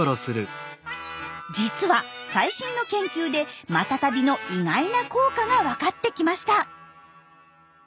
実は最新の研究でマタタビの意外な効果がわかってきました。